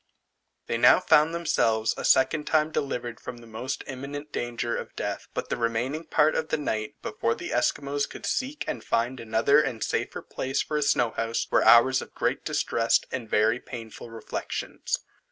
They now found themselves a second time delivered from the most imminent danger of death; but the remaining part of the night, before the Esquimaux could seek and find another and safer place for a snow house, were hours of great distress and very painful reflections.